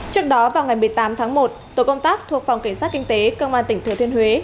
trước đó vào ngày một mươi tám tháng một tổ công tác thuộc phòng cảnh sát kinh tế công an tỉnh thừa thiên huế